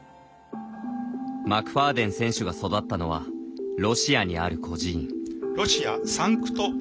マクファーデン選手が育ったのはロシアにある孤児院。